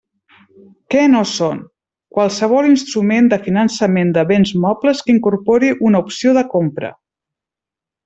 Què no són: qualsevol instrument de finançament de béns mobles que incorpori una opció de compra.